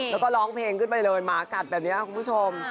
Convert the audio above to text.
แล้วก็ร้องเพลงขึ้นไปเลยหมากัดแบบนี้คุณผู้ชม